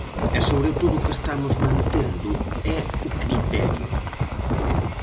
E sobre todo o que estamos mantendo é o criterio.